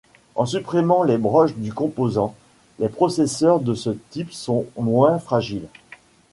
En supprimant les broches du composant, les processeurs de ce type sont moins fragiles.